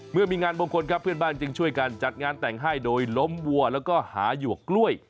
เมื่อมีงานมงคลครับเพื่อนบ้านจึงช่วยกันจัดงานแต่งให้โดยล้มวัวแล้วก็หาหยวกกล้วย